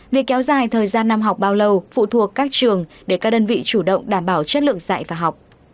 việc kéo dài thời gian năm học bao lâu phụ thuộc các trường để các đơn vị chủ động đảm bảo chất lượng dạy và học